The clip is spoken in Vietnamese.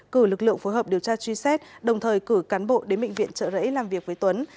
cử lực lượng phối hợp điều tra truy xét đồng thời cử cán bộ đến bệnh viện trợ rẫy làm việc với tuấn